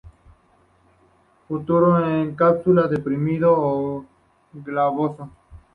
Fruto en cápsula, deprimido o globoso.